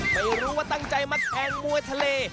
ไม่รู้ว่าตั้งใจมาแทนมวยทะเล